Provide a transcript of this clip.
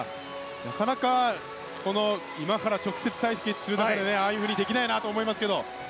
なかなか今から直接対決する中でああいうふうにできないと思いますけど。